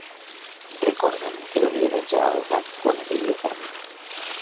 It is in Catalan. Recorda'm que doni de menjar al gat quan arribi a casa.